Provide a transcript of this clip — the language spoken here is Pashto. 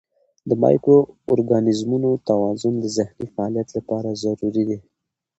د مایکرو ارګانیزمونو توازن د ذهني فعالیت لپاره ضروري دی.